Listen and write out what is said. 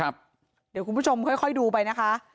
เดี๋ยวคุณผู้ชมค่อยดูไปนะคะ